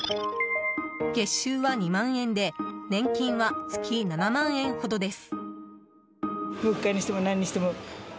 月収は２万円で年金は月７万円ほどです。